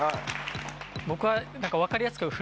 僕は分かりやすく。